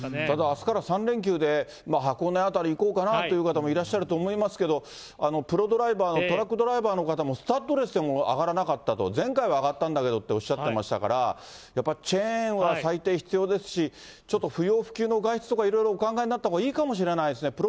ただあすから３連休で、箱根辺り行こうかなという方もいらっしゃると思いますけれども、プロドライバー、トラックドライバーの方もスタッドレスでも上がらなかったと、前回は上がったんだけどっておっしゃってましたから、やっぱりチェーンは最低必要ですし、ちょっと不要不急の外出とか、いろいろお考えになったほうがいいかもしれないですね。